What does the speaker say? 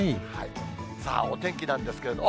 お天気なんですけれども。